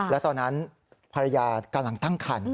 และตอนนั้นภรรยากำลังตั้งคัน